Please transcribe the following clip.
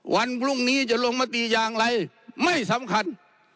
วันพรุ่งนี้จะลงมติอย่างไรไม่สำคัญ